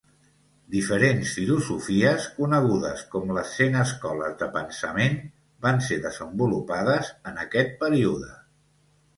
Diferents filosofies, conegudes com les Cent Escoles de Pensament, van ser desenvolupades en aquest període.